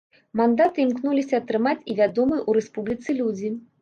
Мандаты імкнуліся атрымаць і вядомыя ў рэспубліцы людзі.